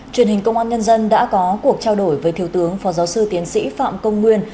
truyền hình công an nhân dân đã có cuộc trao đổi với thiếu tướng phó giáo sư tiến sĩ phạm công nguyên